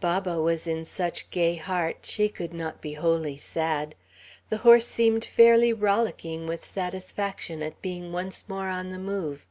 Baba was in such gay heart, she could not be wholly sad. The horse seemed fairly rollicking with satisfaction at being once more on the move.